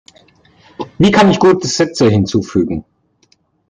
Wie kann ich gute Sätze hinzufügen?